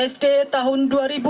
sd tahun dua ribu lima